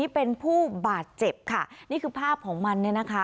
เป็นผู้บาดเจ็บค่ะนี่คือภาพของมันเนี่ยนะคะ